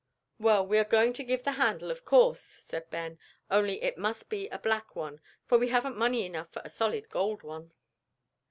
"Well, we are going to give the handle, of course," said Ben, "only it must be a black one, for we haven't money enough for a solid gold one."